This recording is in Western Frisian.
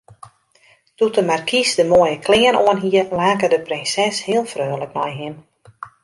Doe't de markys de moaie klean oanhie, lake de prinses heel freonlik nei him.